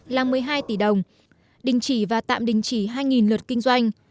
là một mươi hai tỷ đồng đình chỉ và tạm đình chỉ hai lượt kinh doanh